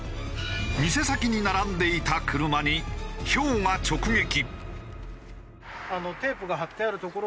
店先に並んでいた車に雹が直撃。